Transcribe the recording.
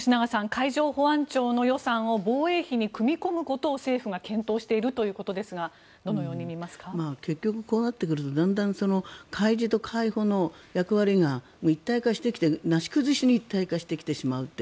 海上保安庁の予算を防衛費に組み込むことを、政府が検討しているということですが結局、こうなってくるとだんだん海自と海保の役割がなし崩し的に一体化してきてしまう。